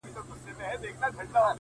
ډېوې د اُمیدنو مو لا بلي دي ساتلي,